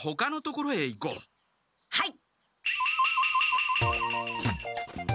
はい。